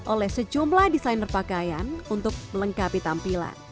oleh sejumlah desainer pakaian untuk melengkapi tampilan